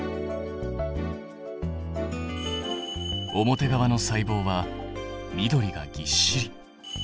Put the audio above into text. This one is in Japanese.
表側の細胞は緑がぎっしり。